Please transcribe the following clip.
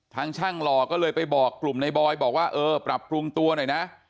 ทางช่างหล่อก็เลยไปบอกกลุ่มในบอยบอกว่าเออปรับปรุงตัวหน่อยนะ